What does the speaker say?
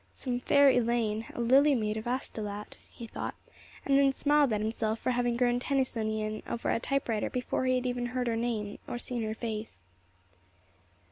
"Some fair Elaine a lily maid of Astolat," he thought, and then smiled at himself for having grown Tennysonian over a typewriter before he had even heard her name or seen her face.